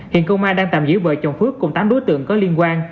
hiện công an đang tạm giữ vợ chồng phước cùng tám đối tượng có liên quan